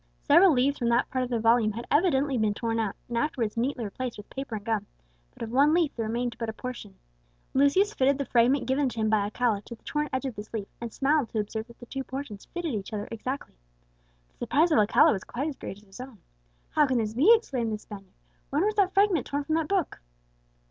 Several leaves from that part of the volume had evidently been torn out, and afterwards neatly replaced with paper and gum; but of one leaf there remained but a portion. Lucius fitted the fragment given to him by Alcala to the torn edge of this leaf, and smiled to observe that the two portions fitted each other exactly. The surprise of Alcala was quite as great as his own. "How can this be?" exclaimed the Spaniard; "when was that fragment torn from that book?"